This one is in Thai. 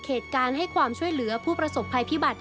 เหตุการณ์ให้ความช่วยเหลือผู้ประสบภัยพิบัติ